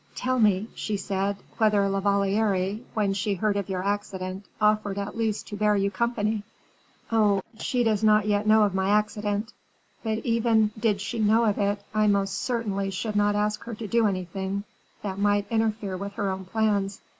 "Tell me," she said, "whether La Valliere, when she heard of your accident, offered at least to bear you company?" "Oh! she does not yet know of my accident; but even did she know of it, I most certainly should not ask her to do anything that might interfere with her own plans.